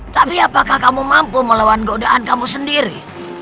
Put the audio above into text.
tapi apakah kamu mampu melawan godaan kamu sendiri